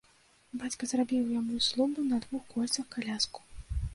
Бацька зрабіў яму з лубу на двух колцах каляску.